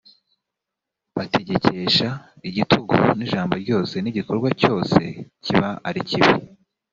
bategekesha igitugu n’ijambo ryose n’igikorwa cyose kiba ari kibi